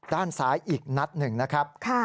ด้านซ้ายอีกนัดหนึ่งนะครับ